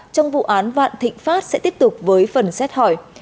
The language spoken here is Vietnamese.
trong vụ án vạn thịnh pháp sẽ tiếp tục với phần xét hỏi